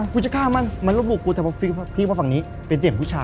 กูจะฆ่ามันมันลบหลูกูแต่ว่าพี่ว่าฝั่งนี้เป็นเสียงผู้ชาย